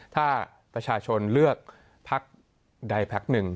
ถ้าประชาชนเลือกภักดิ์ใดภักดิ์หนึ่ง